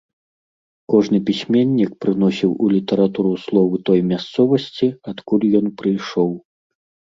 Кожны пісьменнік прыносіў у літаратуру словы той мясцовасці, адкуль ён прыйшоў.